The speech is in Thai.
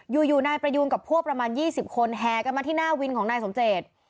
อยู่นายประยูนกับพวกประมาณ๒๐คนแห่กันมาที่หน้าวินของนายสมเจต